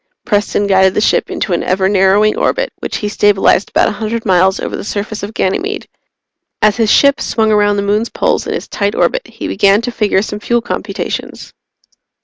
Preston guided the ship into an ever narrowing orbit, which he stabilized about a hundred miles over the surface of Ganymede. As his ship swung around the moon's poles in its tight orbit, he began to figure some fuel computations.